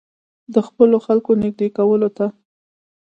د خپلو خلکو نېږدې کولو ته.